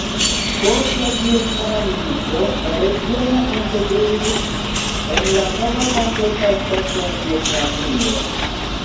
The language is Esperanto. Post la Vjetnama Milito la regiono integriĝis en la nova kompleta ŝtato Vjetnamio.